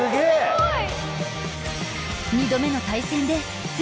すごい！